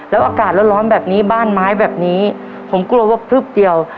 แล้วอากาศร้อนแบบนี้บ้านไม้แบบนี้ผมกลัวว่าพลึบเดียว